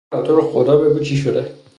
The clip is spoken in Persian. شهلا تو رو خدا بگو چی شده؟